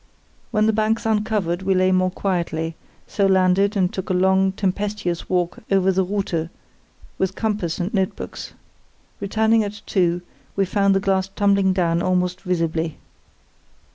"When the banks uncovered we lay more quietly, so landed and took a long, tempestuous walk over the Rute, with compass and notebooks. Returning at two, we found the glass tumbling down almost visibly.